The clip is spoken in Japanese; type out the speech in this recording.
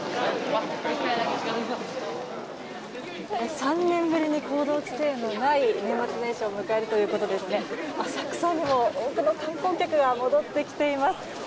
３年ぶりに行動規制のない年末年始ということで浅草には多くの観光客が戻ってきています。